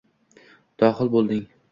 Doxil bo’lding